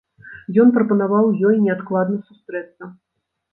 Ён прапанаваў ёй неадкладна сустрэцца.